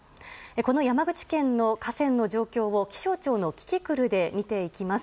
この山口県の河川の状況を気象庁のキキクルで見ていきます。